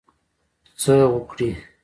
څه وکړی.